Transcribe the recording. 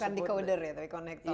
bukan decoder ya tapi konektor ya